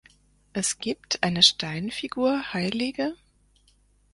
Es gibt eine Steinfigur hl.